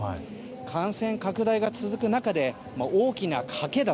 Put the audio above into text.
感染拡大が続く中で大きな賭けだ。